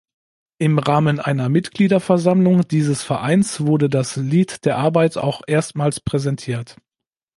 Im Rahmen einer Mitgliederversammlung dieses Vereins wurde das "Lied der Arbeit" auch erstmals präsentiert.